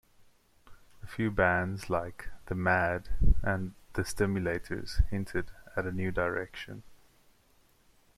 A few bands like The Mad and The Stimulators hinted at a new direction.